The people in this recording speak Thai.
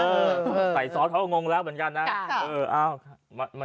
ใช้ซิปไซฟ์เขาก็งงแล้วเหมือนกะ